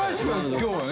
今日はね。